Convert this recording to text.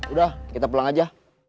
udah kita pulang aja